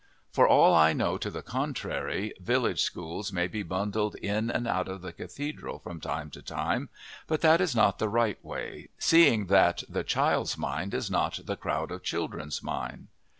For all I know to the contrary, village schools may be bundled in and out of the cathedral from time to time, but that is not the right way, seeing that the child's mind is not the crowd of children's mind.